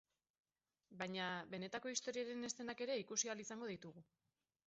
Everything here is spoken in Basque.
Baina, benetako istorioaren eszenak ere ikusi ahal izango ditugu.